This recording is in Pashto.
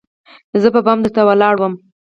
زه په بام درته ولاړه وم